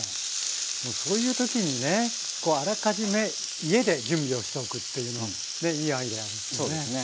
そういう時にねあらかじめ家で準備をしておくっていうのはいいアイデアですね。